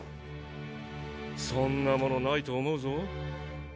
そんなものないと思うぞ？